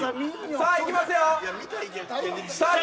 さあいきますよ。